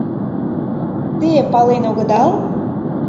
Те пален огыдал?